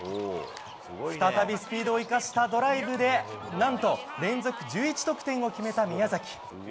再びスピードを生かしたドライブで何と連続１１得点を決めた宮崎。